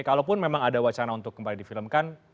kalaupun memang ada wacana untuk kembali difilmkan